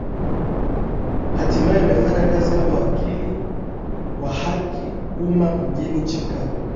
Hatimae alifanya kazi kama wakili wa haki za umma mjini Chicago